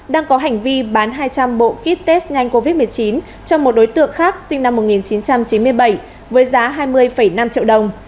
đang có hành vi bán hai trăm linh bộ kit test nhanh covid một mươi chín cho một đối tượng khác sinh năm một nghìn chín trăm chín mươi bảy với giá hai mươi năm triệu đồng